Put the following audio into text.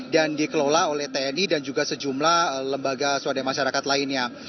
dikelola oleh tni dan juga sejumlah lembaga swadaya masyarakat lainnya